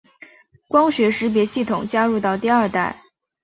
光学识别系统加入到第二代。